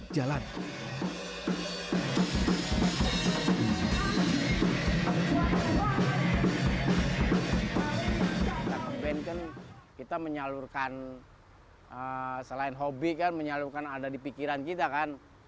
jangan lupa ikuti kami reda marginu di campaign an unfamiliar style ini atas